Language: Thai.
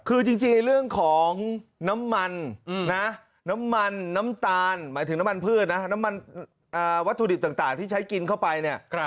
คือจริงเรื่องของน้ำมันนะน้ำมันน้ำตาลหมายถึงน้ำมันพืชนะน้ำมันวัตถุดิบต่างที่ใช้กินเข้าไปเนี่ย